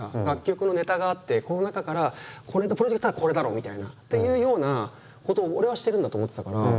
楽曲のネタがあってこの中からこれのプロジェクトはこれだろみたいなっていうようなことを俺はしてるんだと思ってたから。